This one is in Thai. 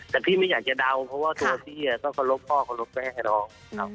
แต่พี่ไม่อยากจะเดาเพราะว่าตัวพี่ก็โคลกพ่อโคลกแม่น้อง